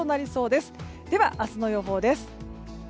では明日の予報です。